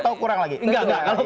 kalau kurang itu enggak